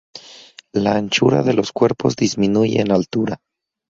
La anchura de los cuerpos disminuye en altura.